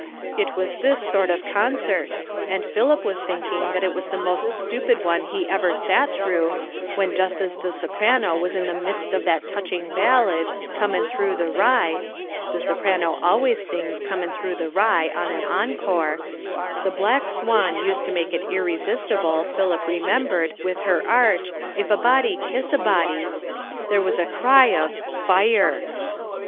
It was this sort of concert, and Philip was thinking that it was the most stupid one he ever sat through, when just as the soprano was in the midst of that touching ballad, "Comin' thro' the Rye" (the soprano always sings "Comin' thro' the Rye" on an encore) the Black Swan used to make it irresistible, Philip remembered, with her arch, "If a body kiss a body" there was a cry of "Fire!"